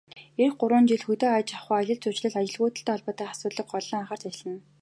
Ирэх гурван жилд хөдөө аж ахуй, аялал жуулчлал, ажилгүйдэлтэй холбоотой асуудалд голлон анхаарч ажиллана.